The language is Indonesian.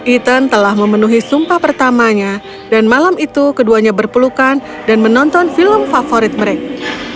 ethan telah memenuhi sumpah pertamanya dan malam itu keduanya berpelukan dan menonton film favorit mereka